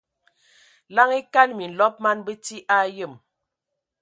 Laŋa e kan minlɔb man bəti a yəm.